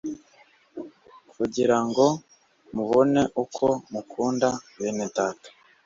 kugira ngo mubone uko mukunda bene Data